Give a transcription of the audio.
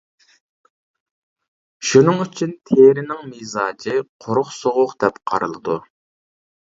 شۇنىڭ ئۈچۈن تېرىنىڭ مىزاجى قۇرۇق سوغۇق دەپ قارىلىدۇ.